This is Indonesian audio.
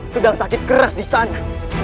sedang sakit keras disana